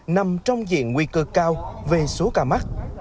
nằm trong diện nguy cơ cao về số ca mắc